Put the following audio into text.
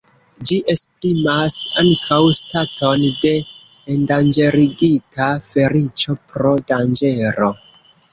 Ĝi esprimas ankaŭ staton de endanĝerigita feliĉo pro danĝero.